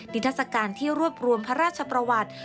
ทัศกาลที่รวบรวมพระราชประวัติ